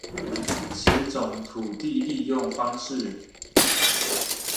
此種土地利用方式